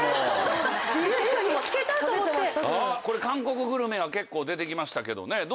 韓国グルメが結構出て来ましたけどね。